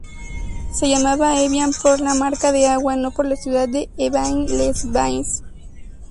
Se llamaba Evian por la marca de agua, no por la ciudad de Évian-les-Bains.